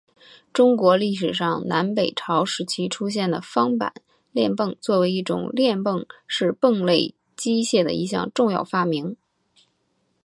中国历史上南北朝时期出现的方板链泵作为一种链泵是泵类机械的一项重要发明。